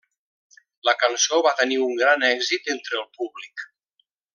La cançó va tenir un gran èxit entre el públic.